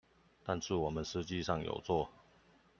但是我們實際上有做